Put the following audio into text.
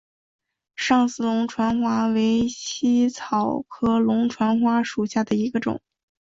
上思龙船花为茜草科龙船花属下的一个种。